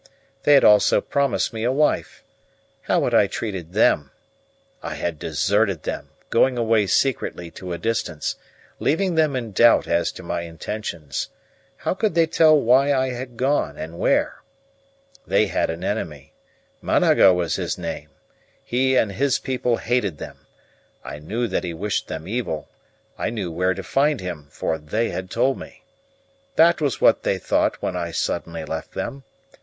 They had also promised me a wife. How had I treated them? I had deserted them, going away secretly to a distance, leaving them in doubt as to my intentions. How could they tell why I had gone, and where? They had an enemy. Managa was his name; he and his people hated them; I knew that he wished them evil; I knew where to find him, for they had told me. That was what they thought when I suddenly left them.